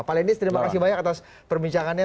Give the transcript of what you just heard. pak lenis terima kasih banyak atas perbincangannya